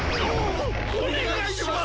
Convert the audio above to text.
くおねがいします！